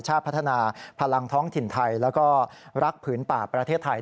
ชาติพัฒนาพลังท้องถิ่นไทยแล้วก็รักผืนป่าประเทศไทย